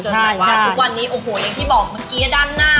แบบว่าทุกวันนี้โอ้โหอย่างที่บอกเมื่อกี้ด้านหน้า